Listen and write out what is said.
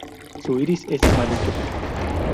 Su iris es amarillo.